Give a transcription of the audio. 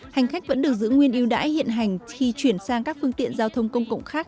hành khách vẫn được giữ nguyên yêu đãi hiện hành khi chuyển sang các phương tiện giao thông công cộng khác